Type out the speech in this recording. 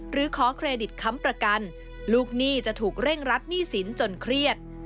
หรือขอเครดิตค้ำประกันลูกหนี้จะถูกเร่งรัดหนี้สินจนเครียด